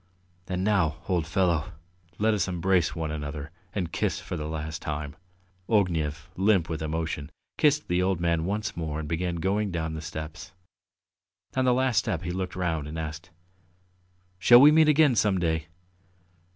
And now, old fellow, let us embrace one another and kiss for the last time!" Ognev, limp with emotion, kissed the old man once more and began going down the steps. On the last step he looked round and asked: "Shall we meet again some day?"